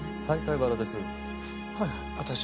はいはい私。